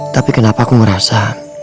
tapi kenapa aku ngerasa